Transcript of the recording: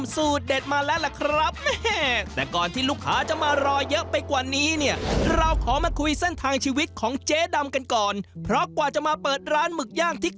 ใส่อะไรก่อนก็ได้เนอะ